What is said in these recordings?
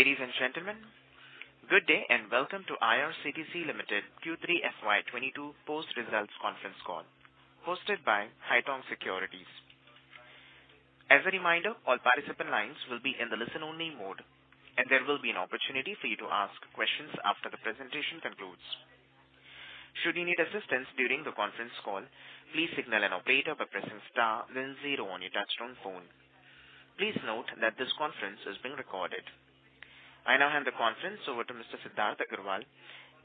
Ladies and gentlemen, good day and welcome to IRCTC Limited Q3 FY 2022 post-results conference call hosted by Haitong Securities. As a reminder, all participant lines will be in the listen only mode, and there will be an opportunity for you to ask questions after the presentation concludes. Should you need assistance during the conference call, please signal an operator by pressing star then zero on your touchtone phone. Please note that this conference is being recorded. I now hand the conference over to Mr. Siddharth Agarwal,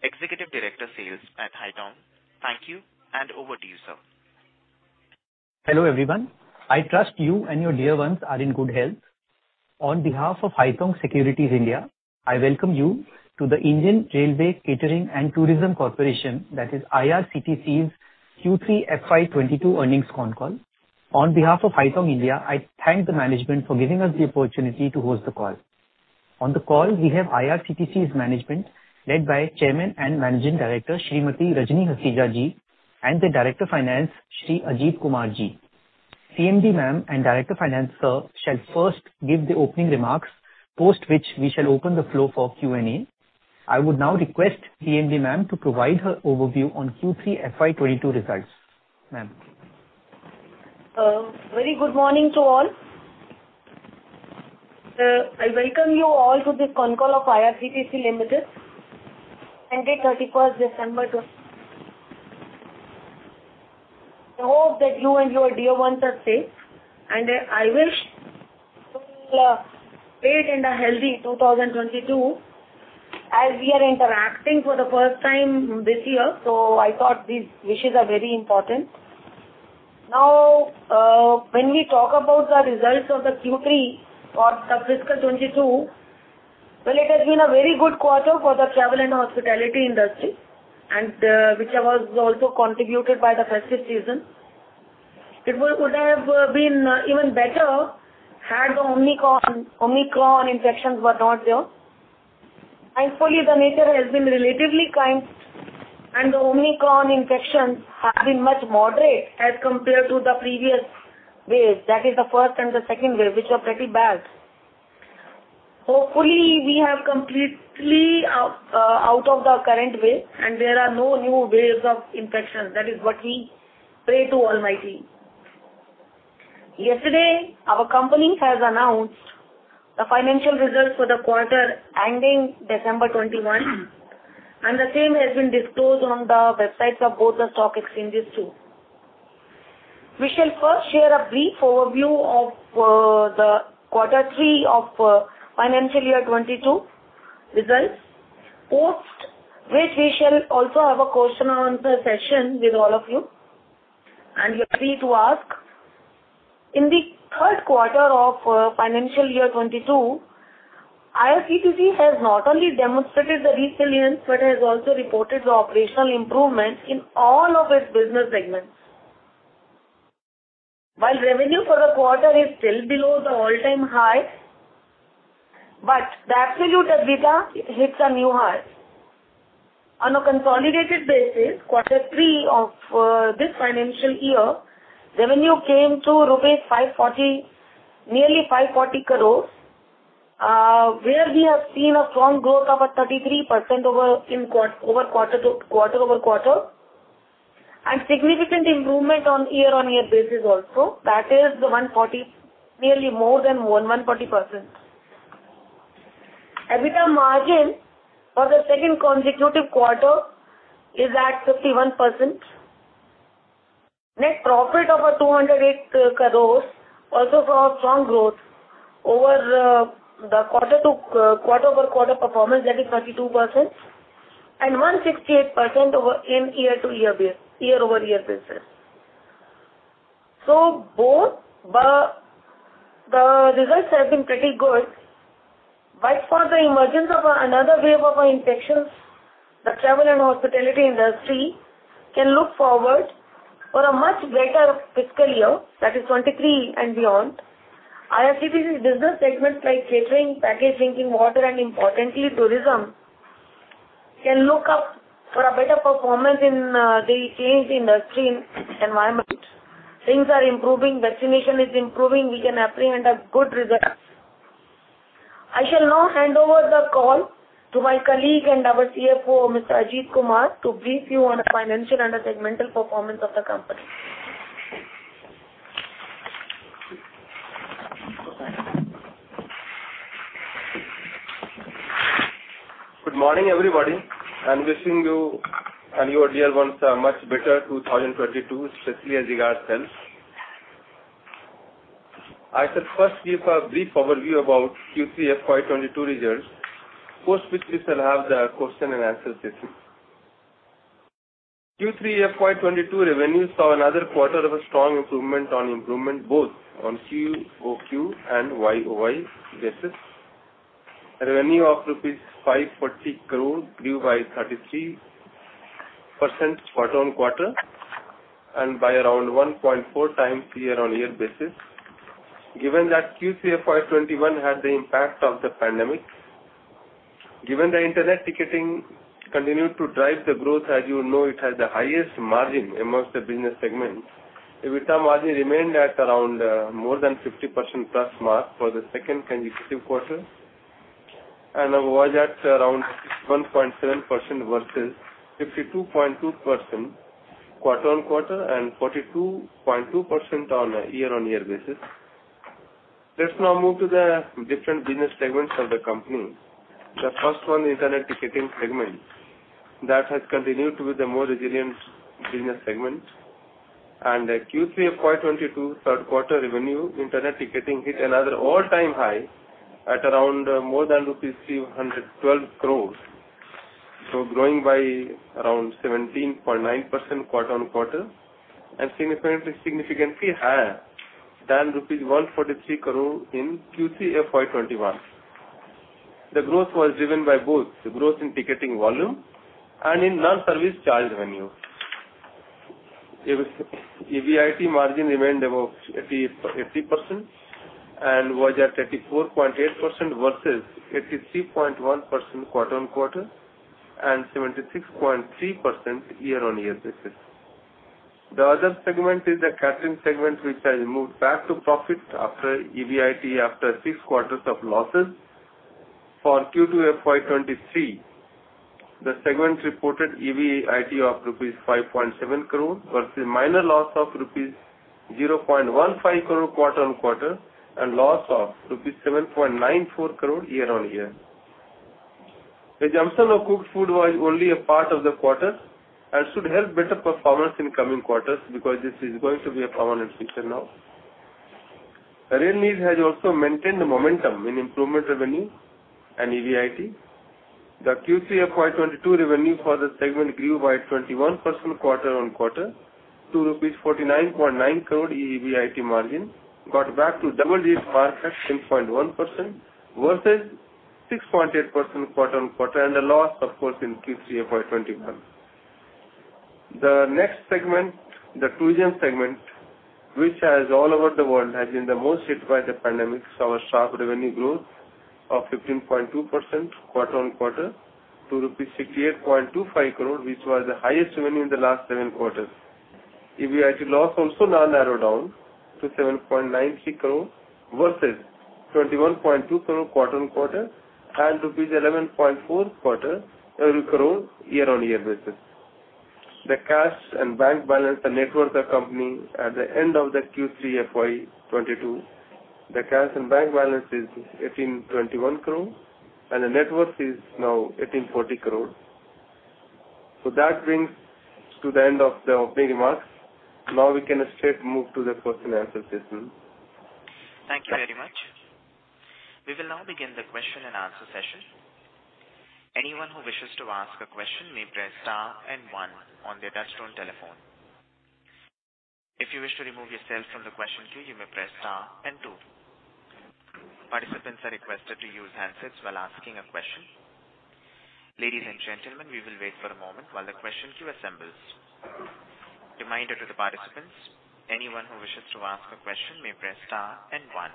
Executive Director, Sales at Haitong. Thank you and over to you, sir. Hello, everyone. I trust you and your dear ones are in good health. On behalf of Haitong Securities India, I welcome you to the Indian Railway Catering and Tourism Corporation, that is IRCTC's Q3 FY 2022 earnings con call. On behalf of Haitong India, I thank the management for giving us the opportunity to host the call. On the call, we have IRCTC's management led by Chairman and Managing Director, Shrimati Rajni Hasija Ji, and the Director Finance, Shri Ajit Kumar Ji. CMD, ma'am and Director of Finance, sir, shall first give the opening remarks, post which we shall open the floor for Q&A. I would now request CMD ma'am to provide her overview on Q3 FY 2022 results. Ma'am. Very good morning to all. I welcome you all to this conference call of IRCTC Limited ended 31st December. I hope that you and your dear ones are safe, and I wish you all a great and a healthy 2022 as we are interacting for the first time this year. I thought these wishes are very important. Now, when we talk about the results of the Q3 for the fiscal 2022, well, it has been a very good quarter for the travel and hospitality industry and, which was also contributed by the festive season. It would have been even better had the Omicron infections were not there. Thankfully, the nature has been relatively kind, and the Omicron infections have been much more moderate as compared to the previous waves, that is the first and the second wave, which were pretty bad. Hopefully, we are completely out of the current wave, and there are no new waves of infection. That is what we pray to Almighty. Yesterday, our company has announced the financial results for the quarter ending December 2021, and the same has been disclosed on the websites of both the stock exchanges, too. We shall first share a brief overview of the Q3 of FY 2022 results, post which we shall also have a question and answer session with all of you and you're free to ask. In the third quarter of FY 2022, IRCTC has not only demonstrated the resilience but has also reported the operational improvements in all of its business segments. While revenue for the quarter is still below the all-time high, but the absolute EBITDA hits a new high. On a consolidated basis, quarter three of this financial year, revenue came to nearly 540 crores, where we have seen a strong growth of 33% quarter-over-quarter, and significant improvement on year-over-year basis also, that is nearly more than 140%. EBITDA margin for the second consecutive quarter is at 51%. Net profit over 208 crores also saw a strong growth over the quarter-over-quarter performance, that is 32% and 168% over year-over-year basis. Both the results have been pretty good. Barring the emergence of another wave of infections, the travel and hospitality industry can look forward to a much better fiscal year 2023 and beyond. IRCTC's business segments like catering, packaged drinking water, and importantly, tourism, can look forward to a better performance in the changed industry environment. Things are improving. Vaccination is improving. We can expect good results. I shall now hand over the call to my colleague and our CFO, Mr. Ajit Kumar, to brief you on the financial and the segmental performance of the company. Good morning, everybody, and wishing you and your dear ones a much better 2022, especially as regards health. I shall first give a brief overview about Q3 FY 2022 results, post which we shall have the question and answer session. Q3 FY 2022 revenues saw another quarter of a strong improvement both on QoQ and YoY basis. Revenue of INR 540 crore grew by 33% quarter-on-quarter and by around 1.4x year-on-year basis. Given that Q3 FY 2021 had the impact of the pandemic. Given the internet ticketing continued to drive the growth, as you know it has the highest margin amongst the business segments. EBITDA margin remained at around more than 50% plus mark for the second consecutive quarter, and was at around 107% versus 52.2% quarter-on-quarter and 42.2% on a year-on-year basis. Let's now move to the different business segments of the company. The first one is internet ticketing segment. That has continued to be the more resilient business segment. Q3 FY 2022 third quarter revenue, internet ticketing hit another all-time high at around more than rupees 312 crores. Growing by around 17.9% quarter-on-quarter and significantly higher than INR 143 crore in Q3 FY 2021. The growth was driven by both the growth in ticketing volume and in non-service charge revenue. EBIT margin remained about 50% and was at 34.8% versus 83.1% quarter-on-quarter and 76.3% year-on-year basis. The other segment is the catering segment, which has moved back to profit after EBITDA after six quarters of losses. For Q3 FY 2023, the segment reported EBIT of rupees 5.7 crore versus minor loss of rupees 0.15 crore quarter-on-quarter and loss of rupees 7.94 crore year-on-year. The resumption of cooked food was only a part of the quarter and should help better performance in coming quarters because this is going to be a permanent feature now. Rail Neer has also maintained the momentum in revenue improvement and EBIT. The Q3 FY 2022 revenue for the segment grew by 21% quarter-on-quarter to rupees 49.9 crore. EBIT margin got back to double-digit mark at 10.1% versus 6.8% quarter-on-quarter and a loss, of course, in Q3 FY 2021. The next segment, the tourism segment, which as all over the world has been the most hit by the pandemic, saw a sharp revenue growth of 15.2% quarter-on-quarter to 68.25 crore rupees, which was the highest revenue in the last seven quarters. EBIT loss also now narrowed down to 7.93 crore versus 21.2 crore quarter-on-quarter and rupees 11.4 crore year-on-year basis. The cash and bank balance and net worth of the Company at the end of the Q3 FY 2022, the cash and bank balance is 1,821 crore and the net worth is now 1,840 crore. That brings to the end of the opening remarks. Now we can straight move to the question answer session. Thank you very much. We will now begin the question and answer session. Anyone who wishes to ask a question may press star and one on their touchtone telephone. If you wish to remove yourself from the question queue, you may press star and two. Participants are requested to use handsets while asking a question. Ladies and gentlemen, we will wait for a moment while the question queue assembles. Reminder to the participants, anyone who wishes to ask a question may press star and one.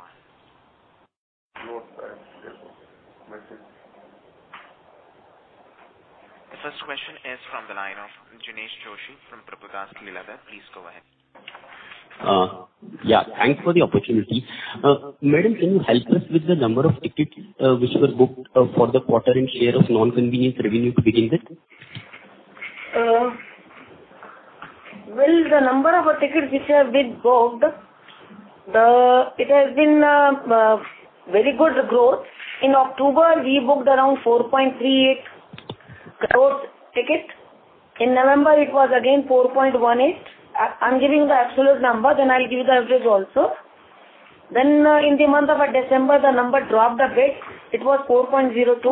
The first question is from the line of Jinesh Joshi from Prabhudas Lilladher. Please go ahead. Yeah, thanks for the opportunity. Madam, can you help us with the number of tickets which were booked for the quarter in share of non-convenience revenue to begin with? Well, the number of tickets which have been booked, it has been very good growth. In October, we booked around 4.38 crore tickets. In November it was again 4.18. I'm giving the absolute number, then I'll give you the average also. In the month of December, the number dropped a bit. It was 4.02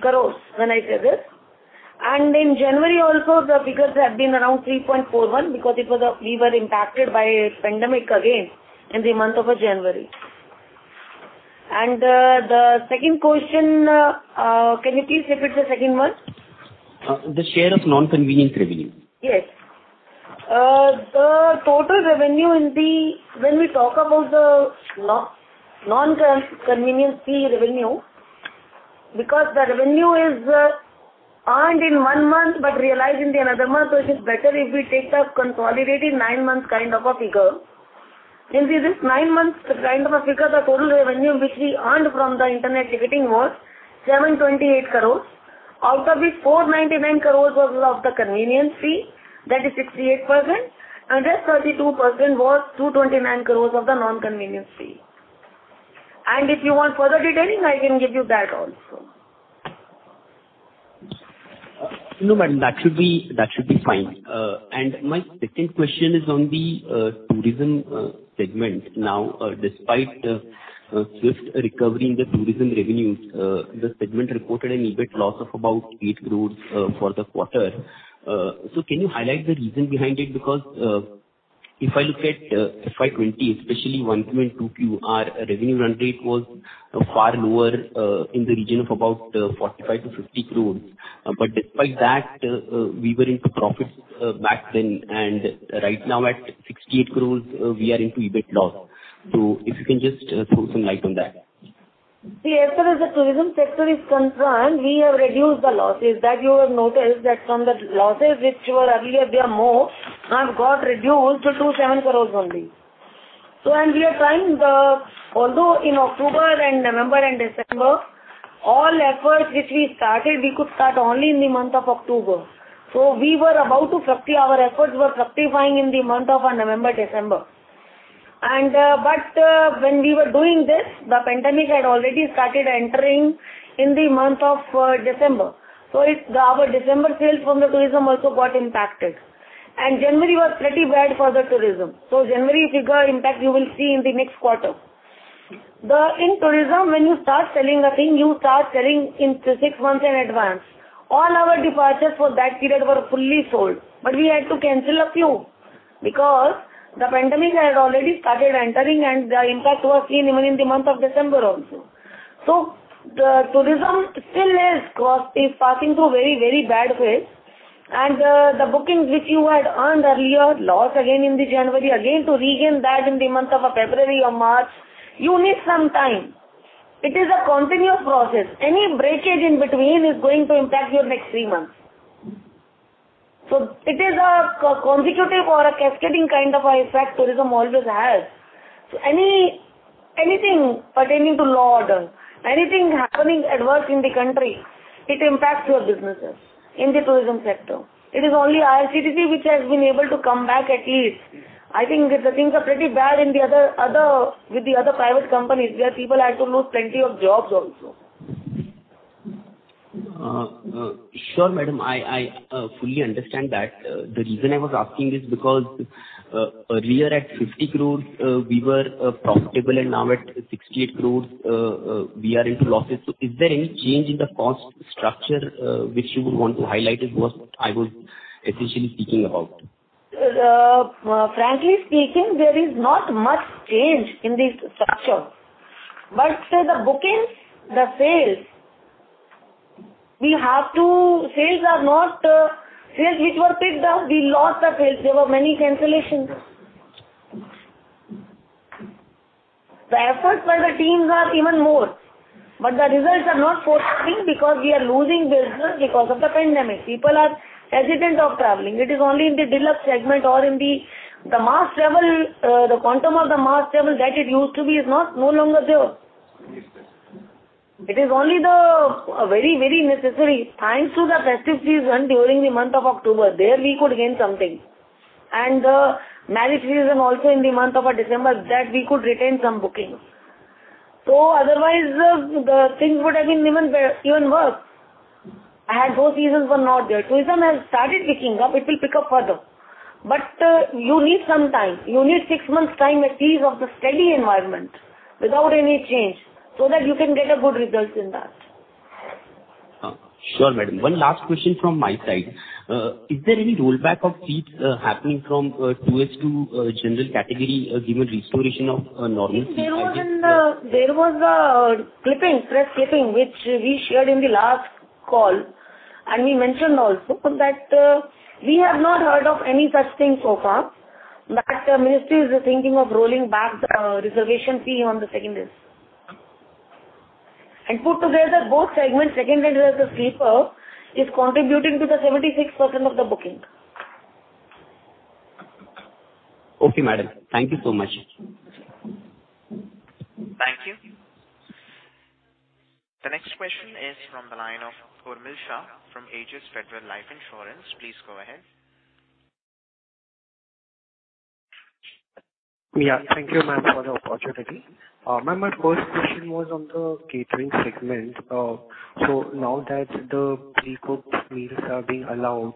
crore when I said it. In January also the figures have been around 3.41 because we were impacted by pandemic again in the month of January. The second question, can you please repeat the second one? The share of non-convenience revenue. Yes, the total revenue, when we talk about the non-convenience fee revenue, because the revenue is earned in one month but realized in another month, it is better if we take the consolidated nine months kind of a figure. In this nine months kind of a figure, the total revenue which we earned from the internet ticketing was 728 crore. Out of which 499 crore was of the convenience fee, that is 68%. The 32% was 229 crore of the non-convenience fee. If you want further detailing, I can give you that also. No, madam, that should be fine. My second question is on the tourism segment. Now, despite the swift recovery in the tourism revenues, the segment reported an EBIT loss of about 8 crore for the quarter. Can you highlight the reason behind it? Because if I look at FY 2020, especially Q1 and Q2, our revenue run rate was far lower in the region of about 45 crore-50 crore. Despite that, we were into profits back then. Right now at 68 crore, we are into EBIT loss. If you can just throw some light on that. See, as far as the tourism sector is concerned, we have reduced the losses. You have noticed that the losses which were earlier have got reduced to 27 crores only. We are trying, although in October and November and December, all efforts which we started, we could start only in the month of October. Our efforts were fructifying in the month of November, December. But when we were doing this, the pandemic had already started entering in the month of December. Our December sales from the tourism also got impacted. January was pretty bad for the tourism. January figure impact you will see in the next quarter. In tourism, when you start selling a thing, you start selling in six months in advance. All our departures for that period were fully sold, but we had to cancel a few because the pandemic had already started entering, and the impact was seen even in the month of December also. The tourism still is passing through very, very bad phase. The bookings which you had earned earlier lost again in January. To regain that in the month of February or March, you need some time. It is a continuous process. Any breakage in between is going to impact your next three months. It is a consecutive or a cascading kind of effect tourism always has. Anything pertaining to law and order, anything happening adverse in the country, it impacts your businesses in the tourism sector. It is only IRCTC which has been able to come back at least. I think the things are pretty bad in the other with the other private companies where people had to lose plenty of jobs also. Sure, madam. I fully understand that. The reason I was asking is because earlier at 50 crores we were profitable and now at 68 crores we are into losses. Is there any change in the cost structure which you would want to highlight is what I was essentially speaking about. Frankly speaking, there is not much change in the structure. Say the bookings, the sales are not sales which were picked up, we lost the sales. There were many cancellations. The efforts by the teams are even more, but the results are not forthcoming because we are losing business because of the pandemic. People are hesitant of traveling. It is only in the deluxe segment or in the mass travel. The quantum of the mass travel that it used to be is no longer there. It is only the very, very necessary. Thanks to the festive season during the month of October, there we could gain something. Marriage season also in the month of December that we could retain some bookings. Otherwise, the things would have been even worse, had those seasons were not there. Tourism has started picking up. It will pick up further. You need some time. You need six months' time at least of the steady environment without any change so that you can get a good results in that. Sure, madam. One last question from my side. Is there any rollback of fees happening from tourists to general category, given restoration of normal fees as it was? There was a clipping, press clipping, which we shared in the last call, and we mentioned also that we have not heard of any such thing so far, that Ministry is thinking of rolling back the reservation fee on the second AC. Put together both segments, second AC and sleeper, is contributing to the 76% of the booking. Okay, madam. Thank you so much. Thank you. The next question is from the line of Urmil Shah from Ageas Federal Life Insurance. Please go ahead. Yeah. Thank you, ma'am, for the opportunity. Ma'am, my first question was on the catering segment. Now that the pre-cooked meals are being allowed,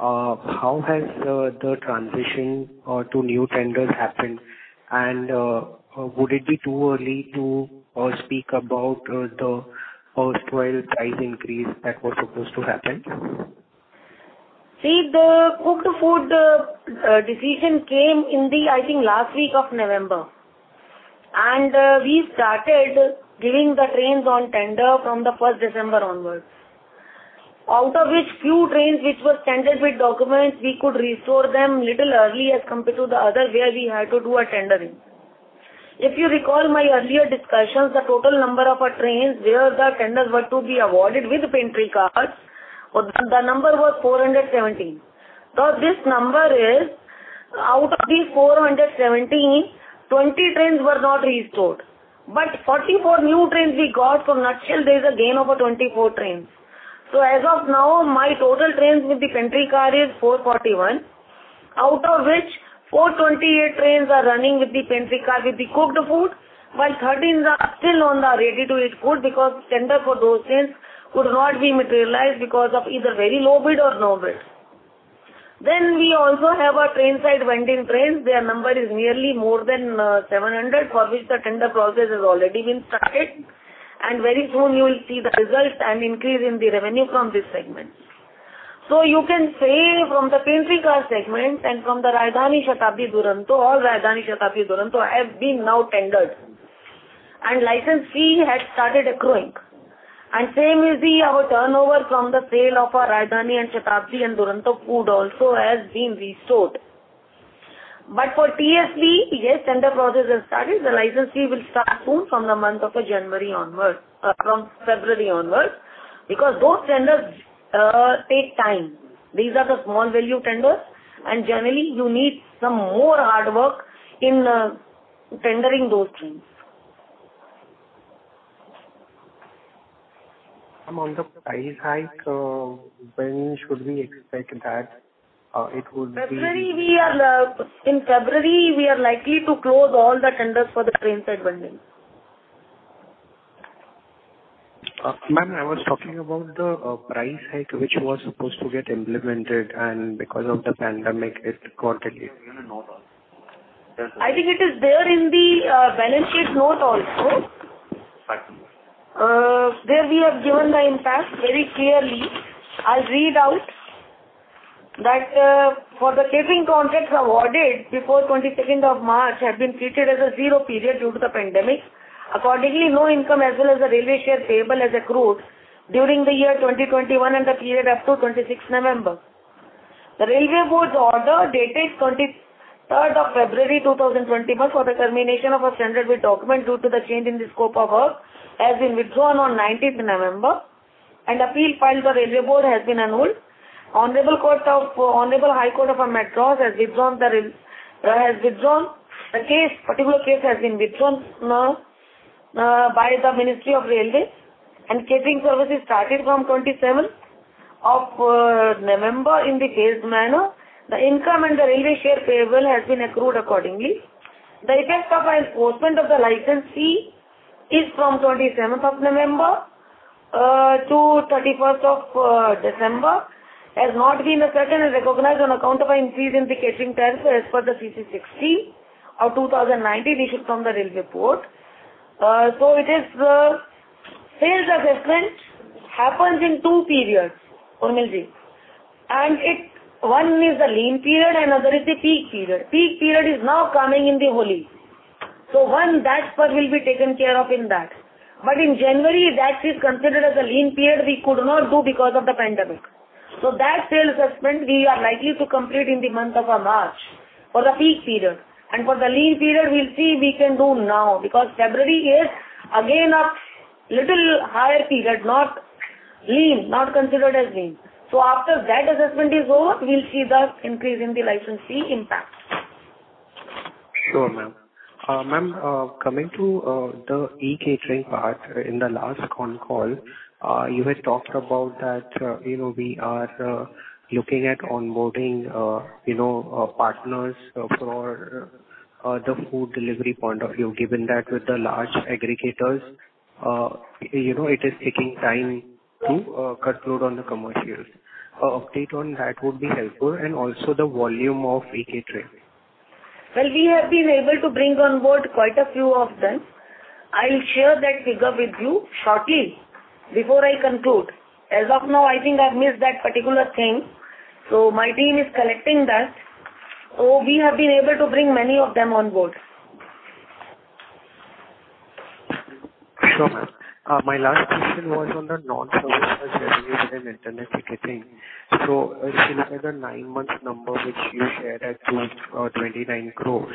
how has the transition to new tenders happened? Would it be too early to speak about the first rail price increase that was supposed to happen? See, the cooked food decision came in the, I think, last week of November. We started giving the trains on tender from the first December onwards. Out of which few trains which were tendered with documents, we could restore them little early as compared to the other where we had to do a tendering. If you recall my earlier discussions, the total number of trains where the tenders were to be awarded with the pantry cars, the number was 417. This number is out of these 417, 20 trains were not restored. Forty-four new trains we got. In a nutshell there is a gain of 24 trains. As of now, my total trains with the pantry car is 441. Out of which 428 trains are running with the pantry car with the cooked food, while 13 are still on the ready-to-eat food because tender for those trains could not be materialized because of either very low bid or no bid. We also have train-side vending trains. Their number is nearly more than 700 for which the tender process has already been started. Very soon you will see the results and increase in the revenue from this segment. You can say from the pantry car segment and from the Rajdhani, Shatabdi, Duronto, all of which have now been tendered. License fee has started accruing. The same is our turnover from the sale of our Rajdhani and Shatabdi and Duronto food; it also has been restored. For TFC, yes, tender process has started. The license fee will start soon from February onwards, because those tenders take time. These are the small value tenders, and generally you need some more hard work in tendering those trains. Ma'am, on the price hike, when should we expect that it would be? In February, we are likely to close all the tenders for the train side vending. Ma'am, I was talking about the price hike which was supposed to get implemented and because of the pandemic it got delayed. I think it is there in the benefits note also. Right. There we have given the impact very clearly. I'll read out that, for the catering contracts awarded before 22nd of March have been treated as a zero period due to the pandemic. Accordingly, no income as well as the railway share payable has accrued during the year 2021 and the period up to 26th November. The Railway Board's order dated 23rd of February 2021 for the termination of a standard bid document due to the change in the scope of work has been withdrawn on 19th November, and appeal filed by Railway Board has been annulled. Honorable High Court of Madras has withdrawn the case. Particular case has been withdrawn by the Ministry of Railways and catering services started from 27th of November in the phased manner. The income and the railway share payable has been accrued accordingly. The effect of enforcement of the license fee is from 27th of November to 31st of December, has not been ascertained and recognized on account of an increase in the catering tariff as per the Commercial Circular No. 16 of 2019 issued from the Railway Board. It is sales assessment happens in two periods, Urmilji. One is the lean period and other is the peak period. Peak period is now coming in the Holi. One, that spur will be taken care of in that. In January that is considered as a lean period we could not do because of the pandemic. That sales assessment we are likely to complete in the month of March for the peak period. For the lean period, we'll see we can do now because February is again a little higher period, not lean, not considered as lean. After that assessment is over, we'll see the increase in the license fee impact. Sure, ma'am. Coming to the e-catering part, in the last con call, you had talked about that, you know, we are looking at onboarding, you know, partners for the food delivery point of view. Given that with the large aggregators, you know, it is taking time to cut a deal on the commercials. An update on that would be helpful and also the volume of e-catering. Well, we have been able to bring on board quite a few of them. I'll share that figure with you shortly before I conclude. As of now, I think I've missed that particular thing, so my team is collecting that. We have been able to bring many of them on board. Sure, ma'am. My last question was on the non-service charge revenue within internet ticketing. If you look at the nine months number which you shared at 29 crore,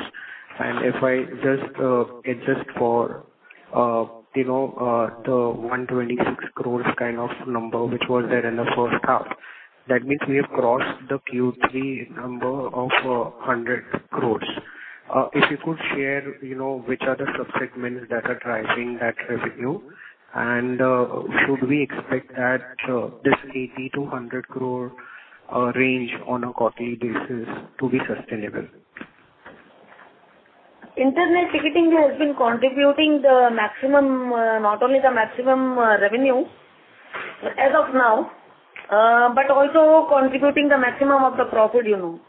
and if I just adjust for you know the 126 crore kind of number which was there in the first half, that means we have crossed the Q3 number of 100 crore. If you could share you know which are the subsegments that are driving that revenue, and should we expect that this 80 crore-100 crore range on a quarterly basis to be sustainable? Internet ticketing has been contributing the maximum, not only the maximum, revenue as of now, but also contributing the maximum of the profit, you know.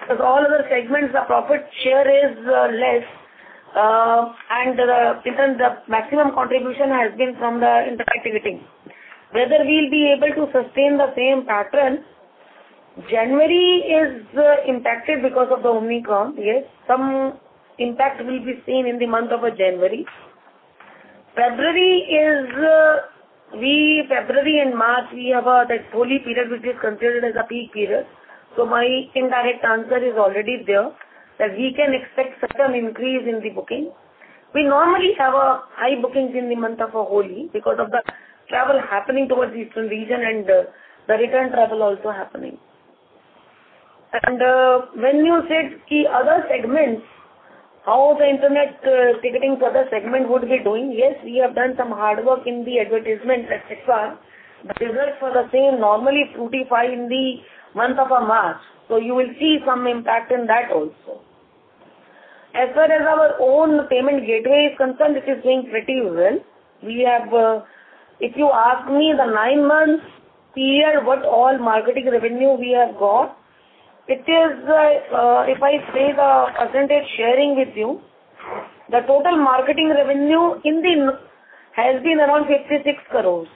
Because all other segments, the profit share is less, and the because the maximum contribution has been from the internet ticketing. Whether we'll be able to sustain the same pattern, January is impacted because of the Omicron. Yes, some impact will be seen in the month of January. February and March we have that Holi period, which is considered as a peak period. My indirect answer is already there, that we can expect certain increase in the booking. We normally have high bookings in the month of Holi because of the travel happening towards eastern region and the return travel also happening. When you said the other segments, how the internet ticketing for the segment would be doing, yes, we have done some hard work in the advertisement, et cetera. The results for the same normally fructify in the month of March, so you will see some impact in that also. As far as our own payment gateway is concerned, it is doing pretty well. We have, if you ask me the nine months period what all marketing revenue we have got, it is, if I say the percentage sharing with you, the total marketing revenue in the has been around 56 crores.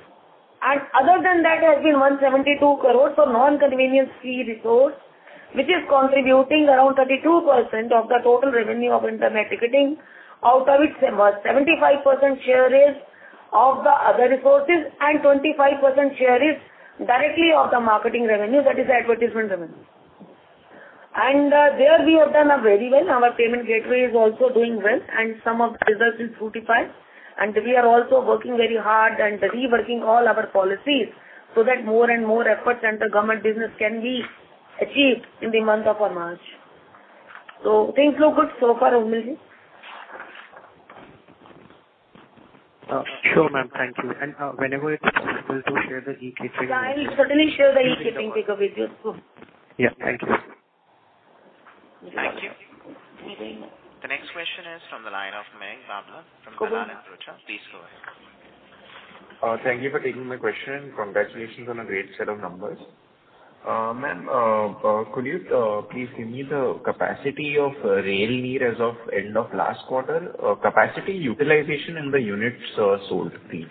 Other than that has been 172 crores for non-convenience fee revenue, which is contributing around 32% of the total revenue of internet ticketing. Out of it, 75% share is of the other resources and 25% share is directly of the marketing revenue, that is the advertisement revenue. There we have done very well. Our payment gateway is also doing well, and some of the results will fructify. We are also working very hard and reworking all our policies so that more and more corporate and the government business can be achieved in the month of March. Things look good so far, Urmilji. Sure, ma'am. Thank you. Whenever it is possible to share the e-catering- Yeah, I'll certainly share the e-catering takeaway with you. Yeah. Thank you. Thank you. The next question is from the line of Mayank Babla from Dalal & Broacha. Please go ahead. Thank you for taking my question. Congratulations on a great set of numbers. Ma'am, could you please give me the capacity of Rail Neer as of end of last quarter? Capacity utilization and the units sold, please.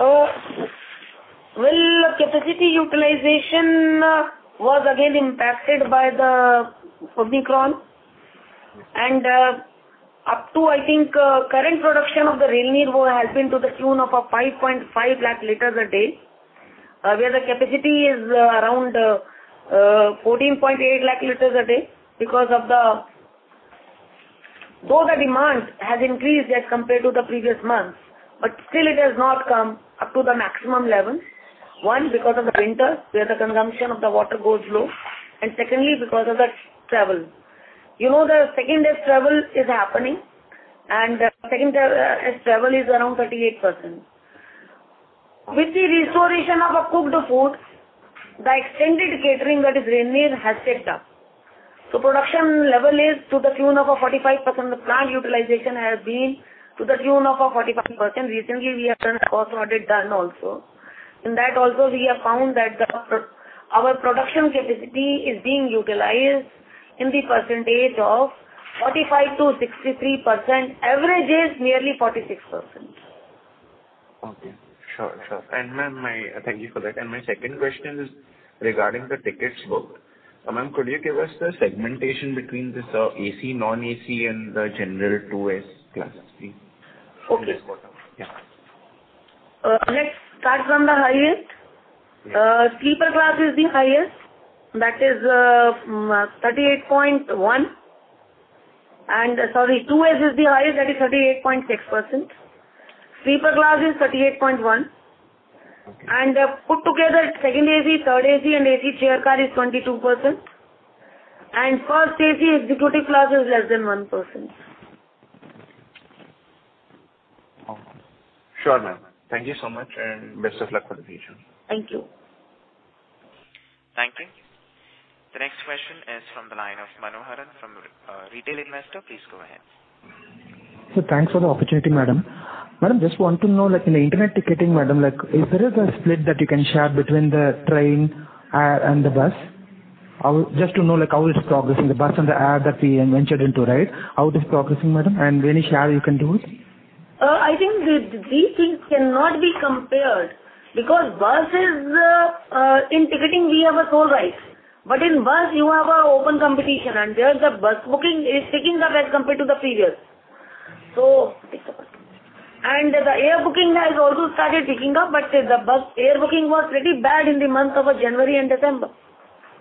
Well, capacity utilization was again impacted by the Omicron. Up to, I think, current production of the Rail Neer has been to the tune of 5.5 lakh L a day. Where the capacity is around 14.8 lakh L a day because of the. Though the demand has increased as compared to the previous month, but still it has not come up to the maximum level. One, because of the winter, where the consumption of the water goes low, and secondly, because of the travel. You know, the second wave travel is happening, and second wave travel is around 38%. With the restoration of cooked food, the extended catering, that is Rail Neer, has picked up. Production level is to the tune of 45%. The plant utilization has been to the tune of 45%. Recently, we have done a course audit also. In that also, we have found that our production capacity is being utilized in the percentage of 45%-63%. Average is nearly 46%. Okay. Sure, sure. Ma'am, thank you for that. My second question is regarding the tickets booked. Ma'am, could you give us the segmentation between this, AC, non-AC, and the general 2S classes, please? Okay. Yeah. Let's start from the highest. Yeah. sleeper class is the highest. That is, 38.1%. Sorry, 2S is the highest, that is 38.6%. sleeper class is 38.1%. Okay. Put together second AC, third AC, and AC chair car is 22%. First AC executive class is less than 1%. Okay. Sure, ma'am. Thank you so much, and best of luck for the future. Thank you. Thank you. The next question is from the line of Manoharan from Retail Investor. Please go ahead. Thanks for the opportunity, madam. Madam, just want to know, like, in the internet ticketing, madam, like, if there is a split that you can share between the train and the bus. Just to know, like, how it's progressing, the bus and the air that we ventured into, right? How it is progressing, madam, and any share you can do it? I think these things cannot be compared because bus is in ticketing we have a sole right. In bus you have open competition, and there the bus booking is picking up as compared to the previous. The air booking has also started picking up, but air booking was pretty bad in the month of January and December.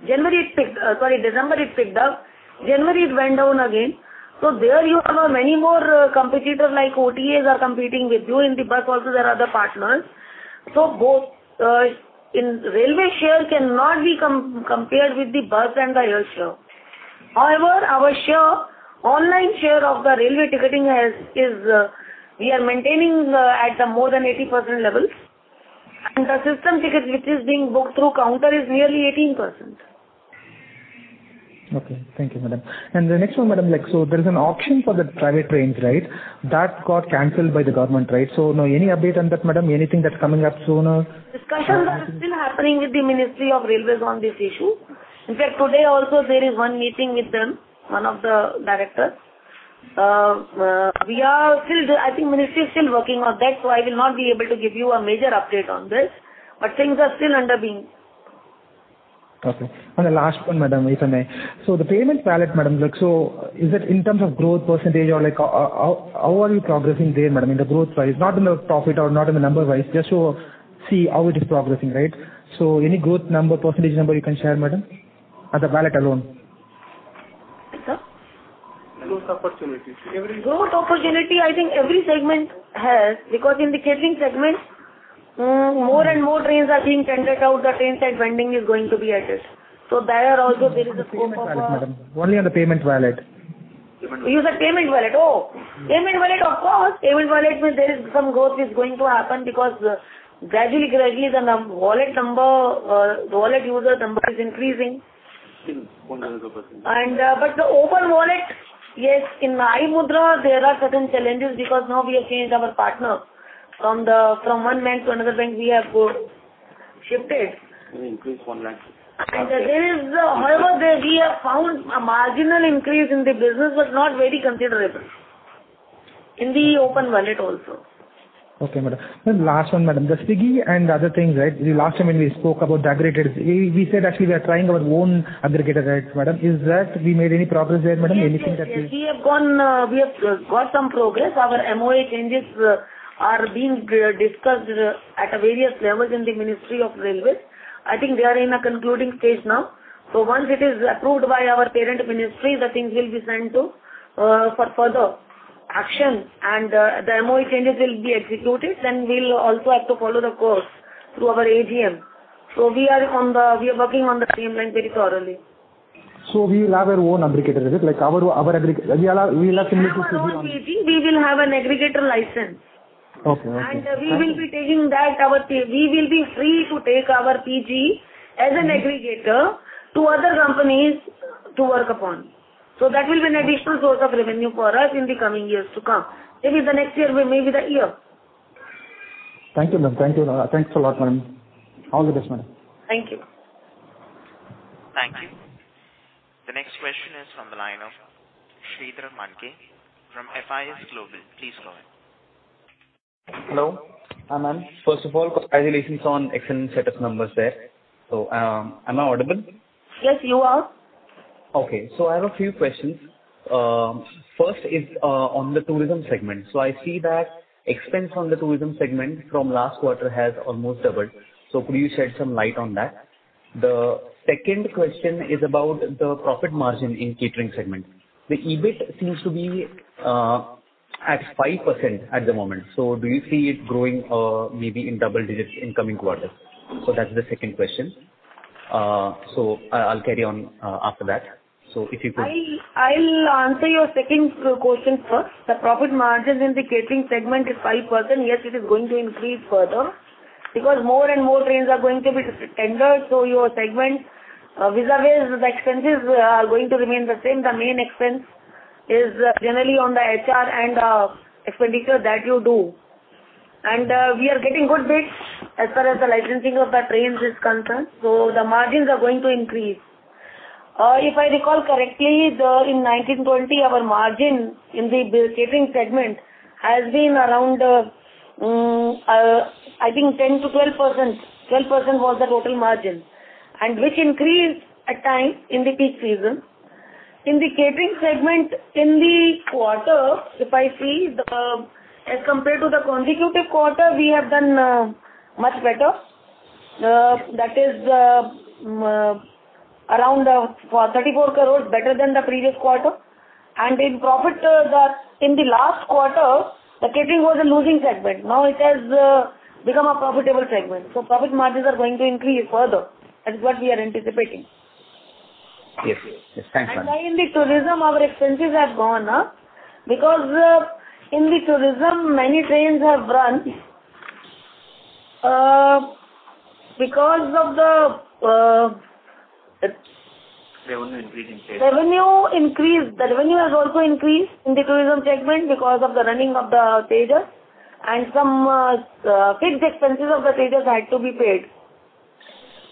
Sorry, December it picked up. January it went down again. There you have many more competitors like OTAs are competing with you. In the bus also there are other partners. Both in railway share cannot be compared with the bus and the air share. However, our online share of the railway ticketing is we are maintaining at more than 80% levels. The system ticket which is being booked through counter is nearly 18%. Okay. Thank you, madam. The next one, madam, like, so there's an option for the private trains, right? That got canceled by the government, right? Now any update on that, madam? Anything that's coming up sooner? Discussions are still happening with the Ministry of Railways on this issue. In fact, today also there is one meeting with them, one of the directors. We are still, I think the Ministry is still working on that, so I will not be able to give you a major update on this, but things are still under being. Okay. The last one, madam, if I may. The payment wallet, madam, like, is it in terms of growth percentage or like, how are you progressing there, madam, in the growth wise? Not in the profit or not in the number wise, just to see how it is progressing, right? Any growth number, percentage number you can share, madam? At the wallet alone. Sir? Growth opportunities. Growth opportunity, I think every segment has, because in the catering segment. Mm-hmm. More and more trains are being tendered out. The Train Side Vending is going to be added. There also there is a scope of Not the catering, madam. Only on the payment wallet. You said payment wallet. Oh. Mm-hmm. Payment wallet, of course. Payment wallet, there is some growth is going to happen because gradually the wallet number, the wallet users number is increasing. Mm-hmm. 100%. The open wallet, yes, in iMudra there are certain challenges because now we have changed our partner from one bank to another bank we have got shifted? Increase 1 lakh. However, we have found a marginal increase in the business, but not very considerable. In the open wallet also. Okay, madam. Last one, madam. The Swiggy and other things, right? The last time when we spoke about the aggregators, we said actually we are trying our own aggregator, right, madam? Is that we made any progress there, madam? Anything that we- Yes. We have got some progress. Our MOA changes are being discussed at various levels in the Ministry of Railways. I think we are in a concluding stage now. Once it is approved by our parent ministry, the things will be sent to for further action and the MOA changes will be executed, then we'll also have to follow the course through our AGM. We are working on the agreement very thoroughly. We will have our own aggregator. Is it like our aggregator? We will have similar to Swiggy- We have our own PG. We will have an aggregator license. Okay. Okay. We will be free to take our PG as an aggregator to other companies to work upon. That will be an additional source of revenue for us in the coming years to come. Maybe the next year, maybe that year. Thank you, ma'am. Thank you. Thanks a lot, madam. All the best, madam. Thank you. Thank you. The next question is from the line of Sridhar Mandke from FIS Global. Please go ahead. Hello. Ma'am, first of all, congratulations on excellent set of numbers there. Am I audible? Yes, you are. Okay. I have a few questions. First is on the tourism segment. I see that expense on the tourism segment from last quarter has almost doubled. Could you shed some light on that? The second question is about the profit margin in catering segment. The EBIT seems to be at 5% at the moment. Do you see it growing maybe in double digits in coming quarters? That's the second question. I'll carry on after that. If you could- I'll answer your second question first. The profit margin in the catering segment is 5%. Yes, it is going to increase further because more and more trains are going to be tendered. Your segment vis-a-vis the expenses are going to remain the same. The main expense is generally on the HR and expenditure that you do. We are getting good bids as far as the licensing of the trains is concerned. The margins are going to increase. If I recall correctly, in 2019-20, our margin in the catering segment has been around. I think 10%-12%. 12% was the total margin, which increased at times in the peak season. In the catering segment in the quarter, if I see the, as compared to the consecutive quarter, we have done much better. That is, around, 34 crore better than the previous quarter. In profit, in the last quarter, the catering was a losing segment. Now it has become a profitable segment. Profit margins are going to increase further. That is what we are anticipating. Yes. Yes. Thanks, madam. Why in the tourism our expenses have gone up? Because, in the tourism, many trains have run. Because of the, Revenue increase in trains. Revenue increase. The revenue has also increased in the tourism segment because of the running of the Tejas and some fixed expenses of the Tejas had to be paid.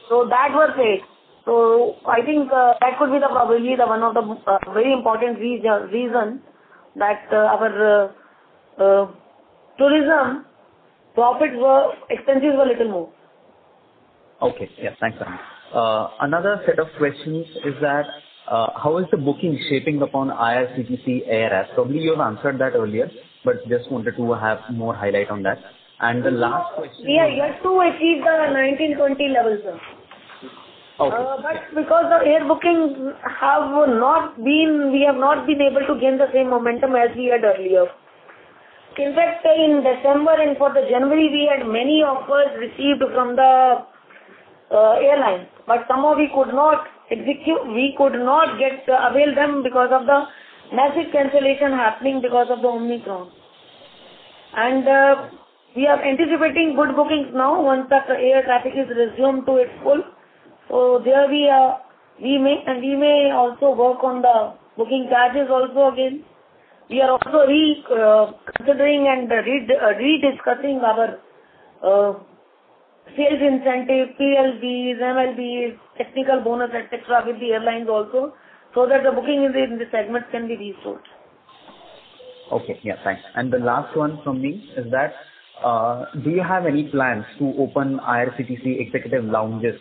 That was paid. I think that could be probably one of the very important reason that our tourism expenses were little more. Okay. Yes. Thanks, madam. Another set of questions is that, how is the booking shaping up on IRCTC Air as probably you have answered that earlier, but just wanted to have more highlight on that. The last question- We have to achieve the 1920 levels, sir. Okay. We have not been able to gain the same momentum as we had earlier. In fact, in December and for January, we had many offers received from the airline, but somehow we could not execute. We could not avail them because of the massive cancellation happening because of the Omicron. We are anticipating good bookings now once the air traffic is resumed to its full. We may also work on the booking charges also again. We are also reconsidering and rediscussing our sales incentive, PLBs, MLBs, technical bonus, etcetera, with the airlines also so that the booking in the segment can be restored. Okay. Yeah. Thanks. The last one from me is that, do you have any plans to open IRCTC executive lounges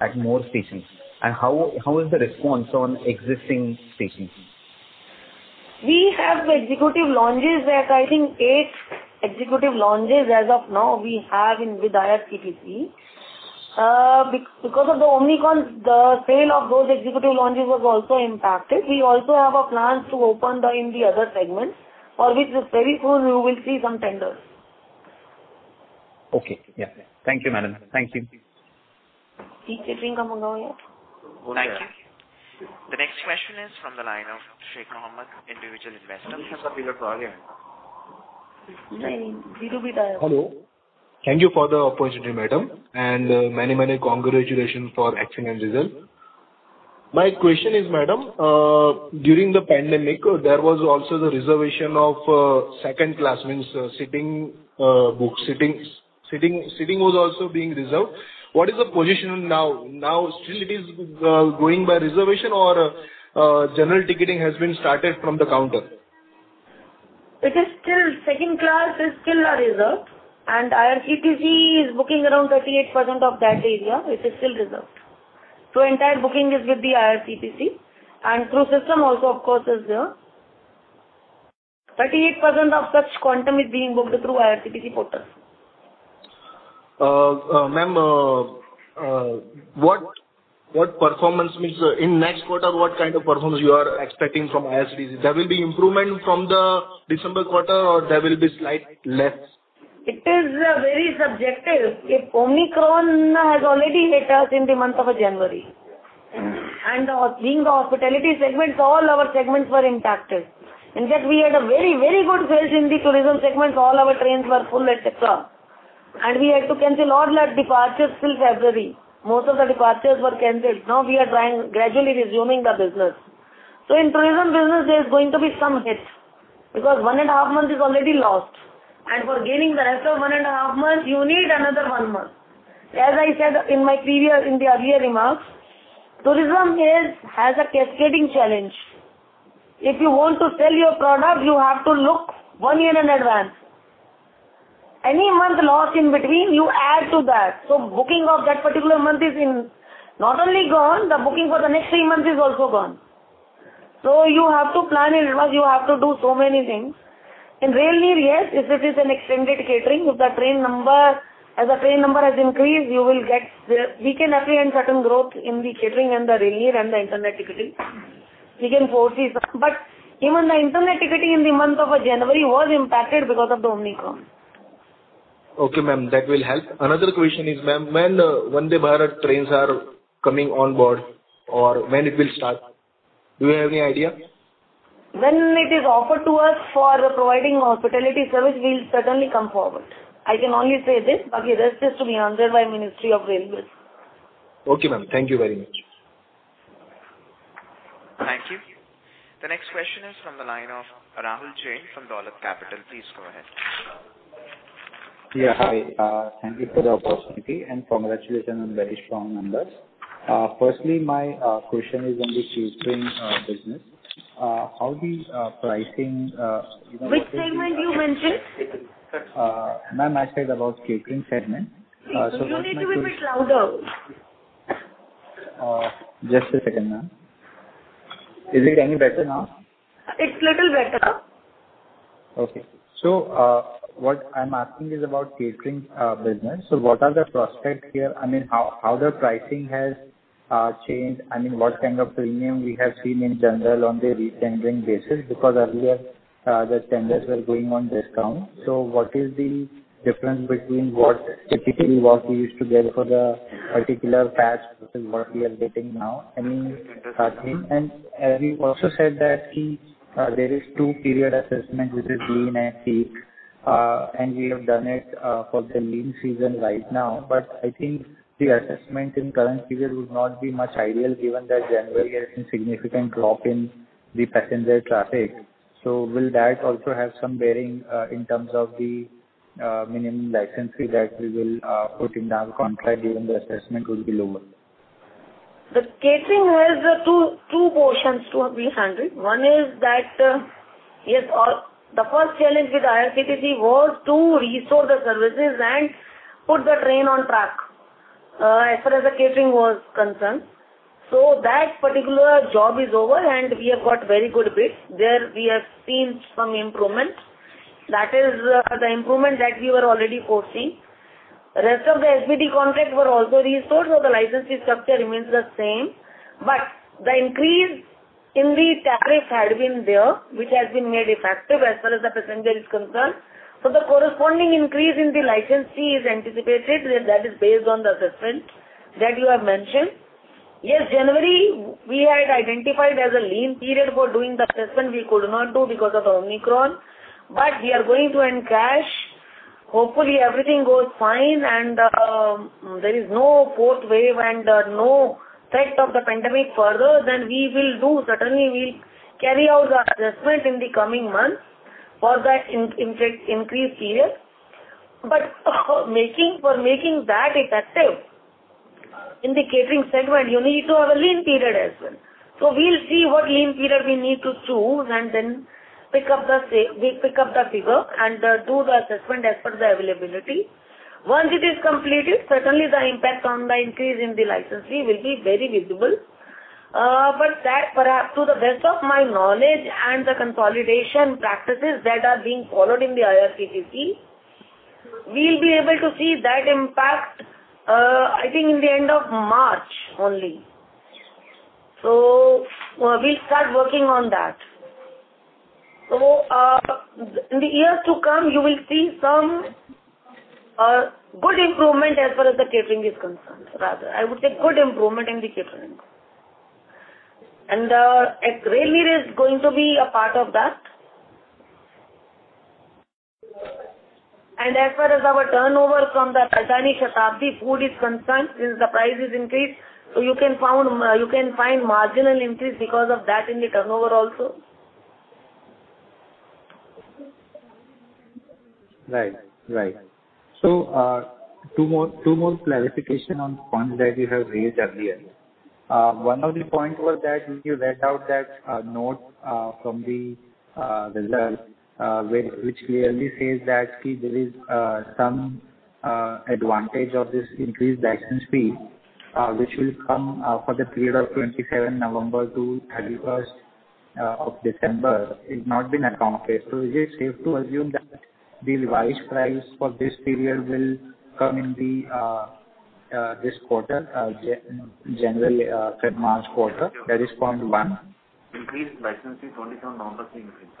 at more stations? How is the response on existing stations? We have executive lounges at, I think, eight executive lounges as of now we have in with IRCTC. Because of the Omicron, the sale of those executive lounges was also impacted. We also have a plan to open in the other segments for which very soon you will see some tenders. Okay. Yeah. Thank you, madam. Thank you. Thank you. The next question is from the line of Sheikh Mohammed, individual investor. Hello. Thank you for the opportunity, madam. Many, many congratulations for excellent results. My question is, madam, during the pandemic, there was also the reservation of second class, means sitting, was also being reserved. What is the position now? Is it still going by reservation or general ticketing has been started from the counter? Second class is still reserved, and IRCTC is booking around 38% of that area. It is still reserved. Entire booking is with the IRCTC and through the system also, of course, is there. 38% of such quantum is being booked through IRCTC portal. Ma'am, what performance you mean in next quarter, what kind of performance you are expecting from IRCTC? There will be improvement from the December quarter or there will be slightly less? It is, very subjective. If Omicron has already hit us in the month of January. Mm-hmm. Being the hospitality segment, all our segments were impacted. In fact, we had a very, very good sales in the tourism segment. All our trains were full, et cetera. We had to cancel a lot of departures till February. Most of the departures were canceled. Now we are trying to gradually resume the business. In tourism business there's going to be some hit because one and a half months is already lost. For gaining the rest of one and a half months, you need another one month. As I said in my earlier remarks, tourism has a cascading challenge. If you want to sell your product, you have to look one year in advance. Any month lost in between, you add to that. Booking of that particular month is not only gone, the booking for the next three months is also gone. You have to plan in advance. You have to do so many things. In Rail Neer, yes, if it is an extended catering, as the train number has increased, we can apprehend certain growth in the catering and the Rail Neer and the internet ticketing. We can foresee some. Even the internet ticketing in the month of January was impacted because of the Omicron. Okay, ma'am, that will help. Another question is, ma'am, when Vande Bharat trains are coming on board or when it will start, do you have any idea? When it is offered to us for providing hospitality service, we'll certainly come forward. I can only say this. Baki rest is to be answered by Ministry of Railways. Okay, ma'am. Thank you very much. Thank you. The next question is from the line of Rahul Jain from Dolat Capital. Please go ahead. Yeah, hi. Thank you for the opportunity, and congratulations on very strong numbers. Firstly, my question is on the catering business. How the pricing, you know- Which segment you mentioned? Ma'am, I said about catering segment. What's my- You need to be a bit louder. Just a second, ma'am. Is it any better now? It's a little better. Okay. What I'm asking is about catering business. What are the prospects here? I mean, how the pricing has changed. I mean, what kind of premium we have seen in general on the re-tendering basis? Because earlier, the tenders were going on discount. What is the difference between what typically we used to get for the particular packs versus what we are getting now? I mean, and you also said that there is two period assessment, which is lean and peak. And we have done it for the lean season right now. But I think the assessment in current period would not be much ideal given that January has seen significant drop in the passenger traffic. Will that also have some bearing in terms of the minimum license fee that we will put in the contract during the assessment will be lower? The catering has two portions to be handled. One is that, yes, the first challenge with IRCTC was to restore the services and put the train on track, as far as the catering was concerned. That particular job is over and we have got very good bids. There we have seen some improvement. That is, the improvement that we were already foreseen. The rest of the FBT contracts were also restored, so the licensing structure remains the same. The increase in the tariff had been there, which has been made effective as far as the passenger is concerned. The corresponding increase in the license fee is anticipated. That is based on the assessment that you have mentioned. Yes, we had identified January as a lean period for doing the assessment. We could not do it because of Omicron. We are going to encash. Hopefully everything goes fine and there is no fourth wave and no threat of the pandemic further. Then we will do. Certainly we'll carry out the assessment in the coming months for that in fact increased period. For making that effective in the catering segment, you need to have a lean period as well. We'll see what lean period we need to choose and then we pick up the figure and do the assessment as per the availability. Once it is completed, certainly the impact on the increase in the license fee will be very visible. That perhaps to the best of my knowledge and the consolidation practices that are being followed in the IRCTC, we'll be able to see that impact, I think in the end of March only. We'll start working on that. In the years to come, you will see some good improvement as far as the catering is concerned, rather. I would say good improvement in the catering. Rail Neer is going to be a part of that. As far as our turnover from the Rajdhani Shatabdi food is concerned, since the price is increased, you can find marginal increase because of that in the turnover also. Right. Two more clarifications on points that you have raised earlier. One of the points was that if you read out that note from the result, which clearly says that, see, there is some advantage of this increased license fee, which will come for the period of 27 November to 31st of December, it not been accounted. Is it safe to assume that the revised price for this period will come in this quarter, January-March quarter? That is point one increased license fee 27 November increase.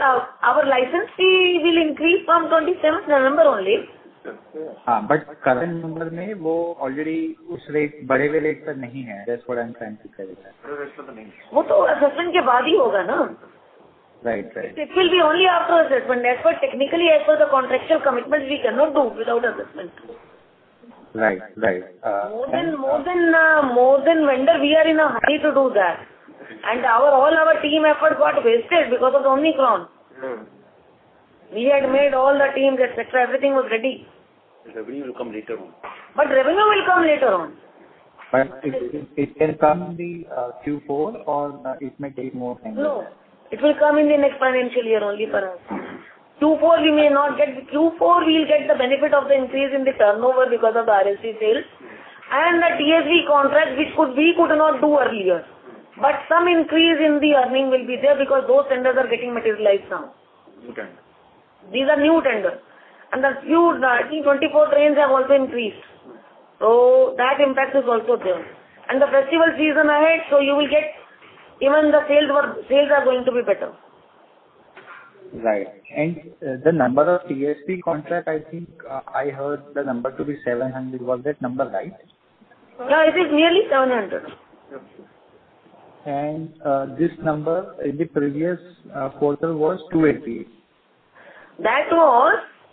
Our license fee will increase from 27 November only. Current number may go already. [inaudible] As per technicality, as per the contractual commitment, we cannot do without assessment. Right. More than vendor, we are in a hurry to do that. All our team effort got wasted because of the Omicron. Mm-hmm. We had made all the teams, etc. Everything was ready. The revenue will come later on. Revenue will come later on. It can come in the Q4 or it may take more time? No, it will come in the next financial year only for us. Mm-hmm. Q4 we may not get. Q4 we'll get the benefit of the increase in the turnover because of the RSC sales and the TSV contract which we could not do earlier. Some increase in the earnings will be there because those tenders are getting materialized now. New tender. These are new tender. The new 24 trains have also increased. That impact is also there. The festival season ahead, you will get even the sales are going to be better. Right. The number of TSV contract, I think, I heard the number to be 700. Was that number right? Yeah, it is nearly 700. This number in the previous quarter was 288.